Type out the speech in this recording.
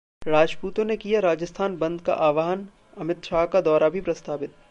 राजपूतों ने किया राजस्थान बंद का आह्वान, अमित शाह का दौरा भी प्रस्तावित